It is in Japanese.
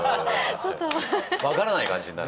わからない感じになる。